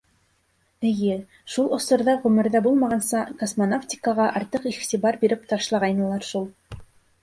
Эйе, шул осорҙа ғүмерҙә булмағанса космонавтикаға артыҡ иғтибар биреп ташлағайнылар шул.